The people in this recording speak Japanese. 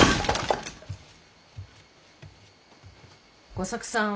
吾作さん